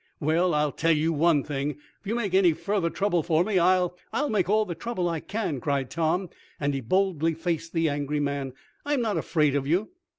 "Well, I tell you one thing, if you make any further trouble for me, I'll " "I'll make all the trouble I can!" cried Tom, and he boldly faced the angry man. "I'm not afraid of you!"